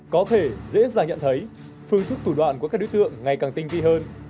có thể dễ dàng nhận thấy phương thức thủ đoạn của các đối tượng ngày càng tinh vi hơn